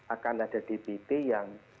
akan ada dpp yang